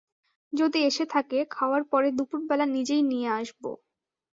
যদি এসে থাকে, খাওয়ার পরে দুপুরবেলা নিজেই নিয়ে আসব।